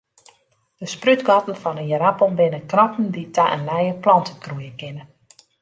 De sprútgatten fan in ierappel binne knoppen dy't ta in nije plant útgroeie kinne.